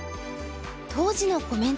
当時のコメントでも。